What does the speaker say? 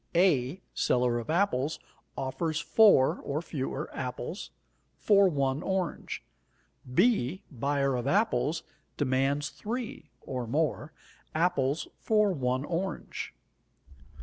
A, seller of apples, offers 4 (or fewer) apples for 1 orange. B, buyer of apples, demands 3 (or more) apples for 1 orange.